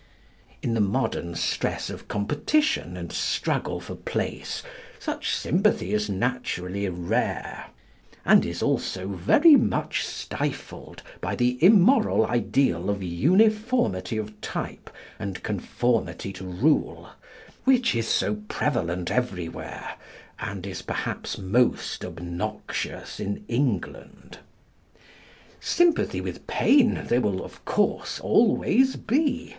In the modern stress of competition and struggle for place, such sympathy is naturally rare, and is also very much stifled by the immoral ideal of uniformity of type and conformity to rule which is so prevalent everywhere, and is perhaps most obnoxious in England. Sympathy with pain there will, of course, always be.